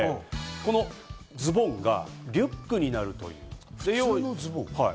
このズボンがリュックになるという。